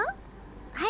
はい。